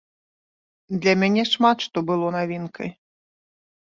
Для мяне шмат што было навінкай.